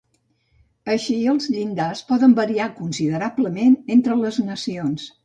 Així els llindars poden variar considerablement entre les nacions.